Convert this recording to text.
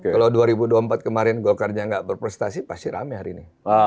kalau dua ribu dua puluh empat kemarin golkarnya nggak berprestasi pasti rame hari ini